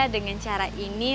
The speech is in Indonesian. dengan cara ini